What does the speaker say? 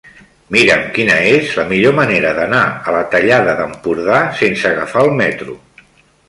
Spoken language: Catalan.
Mira'm quina és la millor manera d'anar a la Tallada d'Empordà sense agafar el metro.